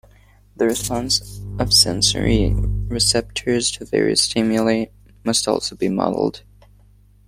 The response of sensory receptors to various stimuli must also be modelled.